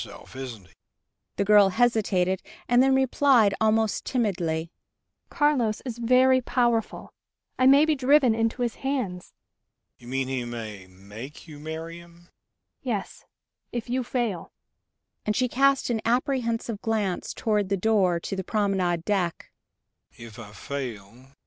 The girl hesitated, and then replied almost timidly: "Carlos is very powerful.... I may be driven into his hands." "You mean he may make you marry him?" "Yes ... if you fail," and she cast an apprehensive glance toward the door to the promenade deck.